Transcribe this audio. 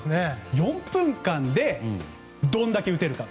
４分間でどれだけ打てるかと。